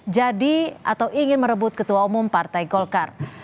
jadi atau ingin merebut ketua umum partai golkar